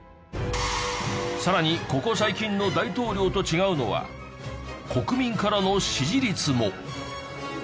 さらにここ最近の大統領と違うのは国民からの支持率も。